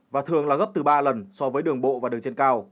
và thường là gấp từ ba lần so với đường bộ và đường trên cao